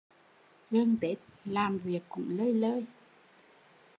Gần Tết làm việc cũng lơi lơi